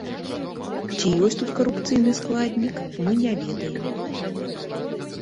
Ці ёсць тут карупцыйны складнік, мы не ведаем.